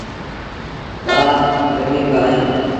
ٻآ رميݩ با اوهيݩ۔